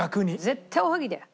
絶対おはぎだよ。